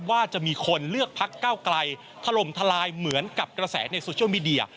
ว่าจะมีคนเลือกพักเก้าไกลถล่มทลายเหมือนกับกระแสในโซเชียลมีเดีย